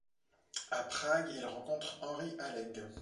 À Prague il rencontre Henri Alleg.